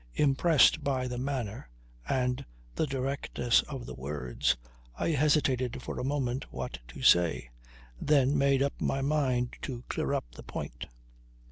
Impressed by the manner and the directness of the words, I hesitated for a moment what to say. Then made up my mind to clear up the point.